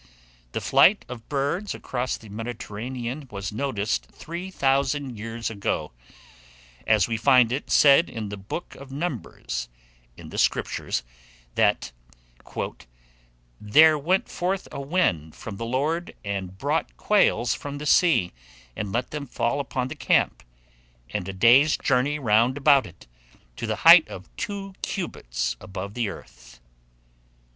The flight of birds across the Mediterranean was noticed three thousand years ago, as we find it said in the book of Numbers, in the Scriptures, that "There went forth a wind from the Lord, and brought quails from the sea, and let them fall upon the camp, and a day's journey round about it, to the height of two cubits above the earth."